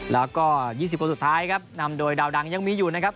แล้วก็๒๐คนสุดท้ายครับนำโดยดาวดังยังมีอยู่นะครับ